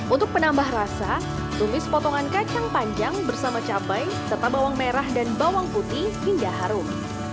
untuk penambah rasa tumis potongan kacang panjang bersama cabai serta bawang merah dan bawang putih hingga harum